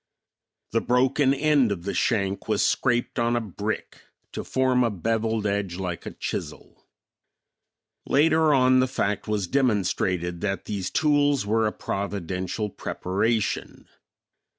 The broken end of the shank was scraped on a brick to form a beveled edge like a chisel. Later on, the fact was demonstrated that these tools were a providential preparation.